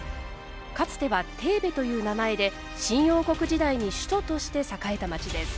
かつてはテーベという名前で新王国時代に首都として栄えた街です。